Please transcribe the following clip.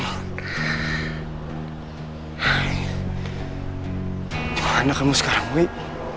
gimana kamu sekarang wik